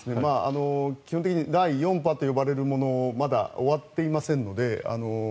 基本的に第４波と呼ばれるものまだ終わっていませんので。